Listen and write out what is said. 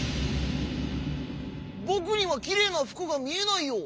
「ぼくにはきれいなふくがみえないよ。